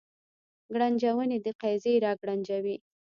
ګړنجونې د قیزې را ګړنجوي